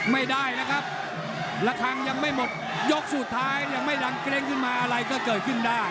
ไม่ได้นะครับระคังยังไม่หมดยกสุดท้ายยังไม่ดังเกรงขึ้นมาอะไรก็เกิดขึ้นได้